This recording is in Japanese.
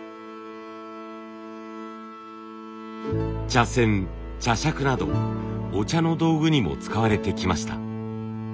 茶筅茶杓などお茶の道具にも使われてきました。